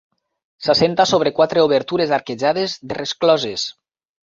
S'assenta sobre quatre obertures arquejades de rescloses.